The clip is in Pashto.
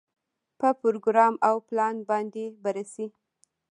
په پروګرام او پلان باندې بررسي.